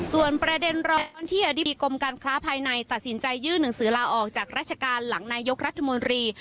ส่วนประเด็นร้อนที่อธิบดีกรมการค้าภายในตัดสินใจยื่นหนังสือลาออกจากราชการหลังนายกรัฐมนตรี